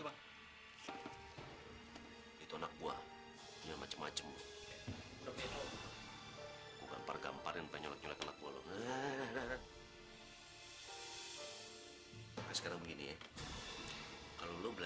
penting kalau enggak gue gak mau lo beli